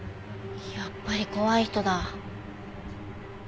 やっぱり怖い人だ。